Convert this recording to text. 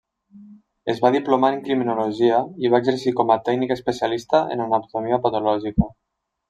Es va diplomar en criminologia i va exercir com a tècnic especialista en anatomia patològica.